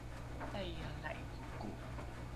madhaiae la’ivoko